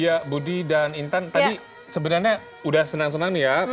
ya budi dan intan tadi sebenarnya udah senang senang nih ya